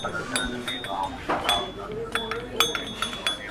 نن زندان پر ماتېدو دی٫